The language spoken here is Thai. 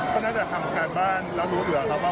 ก็น่าจะทำการบ้านแล้วรู้เหลือครับว่า